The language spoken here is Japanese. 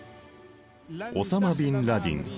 オサマ・ビン・ラディン。